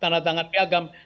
tanda tangan piagam